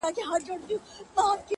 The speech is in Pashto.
يادوي به د يارانو سفرونه!.